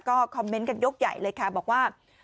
ก็คอมเมนต์กันยกใหญ่เลยค่ะบอกว่า